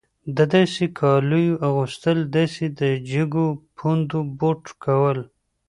د داسې کالیو اغوستل داسې د جګو پوندو بوټ کول.